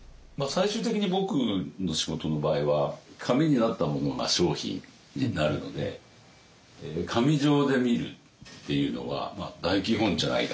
最終的に僕の仕事の場合は紙になったものが商品になるので紙上で見るっていうのは大基本じゃないかなって思いますね。